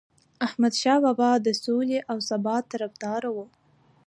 احمدشاه بابا د سولې او ثبات طرفدار و.